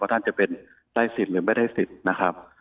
ท่านจะเป็นได้สิทธิ์หรือไม่ได้สิทธิ์นะครับ